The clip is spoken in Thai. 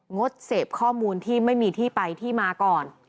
ดเสพข้อมูลที่ไม่มีที่ไปที่มาก่อน